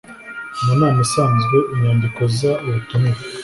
mu nama isanzwe inyandiko z ubutumire